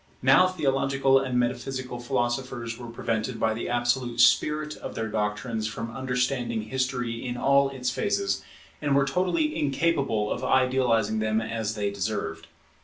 Now theological and metaphysical philosophers were prevented by the absolute spirit of their doctrines from understanding history in all its phases, and were totally incapable of idealizing them as they deserved.